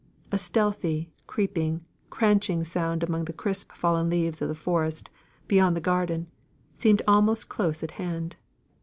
A stealthy, creeping, cranching sound among the crisp fallen leaves of the forest, beyond the garden, seemed almost close at hand.